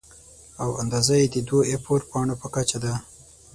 او اندازه یې د دوو اې فور پاڼو په کچه ده.